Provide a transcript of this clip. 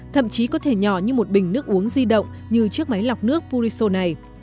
thậm chí có thể nhỏ như một bình nước uống di động như chiếc máy lọc nước puriso này